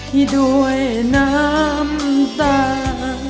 ที่ด้วยน้ำตา